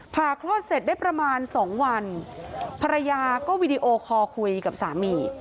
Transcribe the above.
คลอดเสร็จได้ประมาณ๒วันภรรยาก็วีดีโอคอลคุยกับสามี